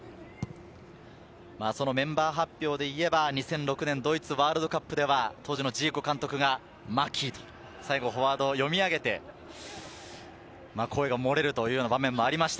メンバー発表でいえば２００６年ドイツワールドカップでは当時のジーコ監督が巻と最後フォワードを呼び上げて、声が漏れるという場面もありました。